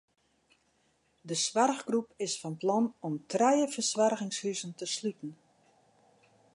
De soarchgroep is fan plan om trije fersoargingshuzen te sluten.